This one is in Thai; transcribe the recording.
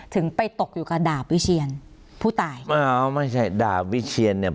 ถึงไปตกอยู่กับดาบวิเชียนผู้ตายอ้าวไม่ใช่ดาบวิเชียนเนี่ย